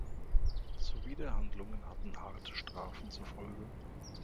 Zuwiderhandlungen hatten harte Strafen zur Folge.